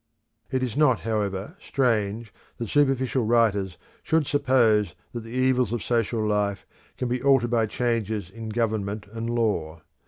It is not, however, strange that superficial writers should suppose that the evils of social life can be altered by changes in government and law.